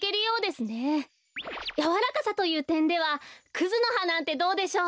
やわらかさというてんではクズのはなんてどうでしょう？